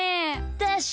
でしょ？